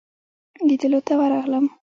لیدلو ته ورغلم.